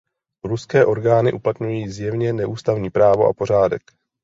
Ruské orgány uplatňují zjevně neústavní právo a pořádek.